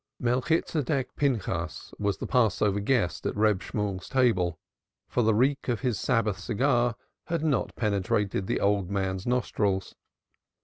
Melchitsedek Pinchas was the Passover guest at Reb Shemuel's table, for the reek of his Sabbath cigar had not penetrated to the old man's nostrils.